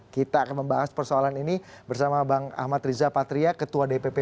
kita akan membahas persoalan ini bersama bang ahmad riza patria ketua dpp